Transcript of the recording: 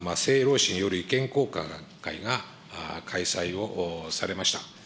３月１５日には、政労使による意見交換会が開催をされました。